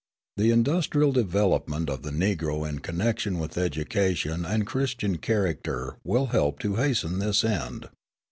The industrial development of the Negro in connection with education and Christian character will help to hasten this end.